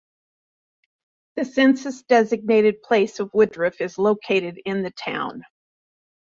The census-designated place of Woodruff is located in the town.